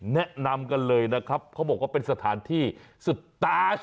แนะนำกันเลยนะครับเขาบอกว่าเป็นสถานที่สุดตาร์ท